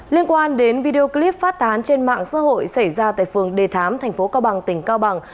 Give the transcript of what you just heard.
liên quan đến video clip phát tán trên mạng xã hội xảy ra tại phường đề thám thành phố cao bằng tỉnh cao bằng